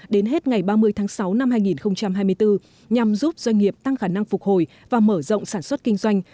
đến hết ngày ba mươi tháng sáu năm hai nghìn hai mươi bốn nhằm giúp doanh nghiệp tăng khả năng phục hồi và mở rộng sản xuất kinh doanh